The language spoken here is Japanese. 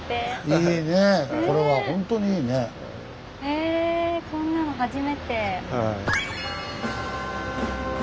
えこんなの初めて。